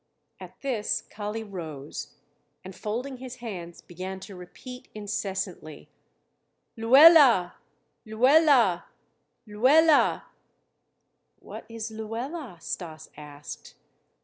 At this Kali rose and folding his hands began to repeat incessantly: "Luela! Luela! Luela!" "What is 'Luela'?" Stas asked.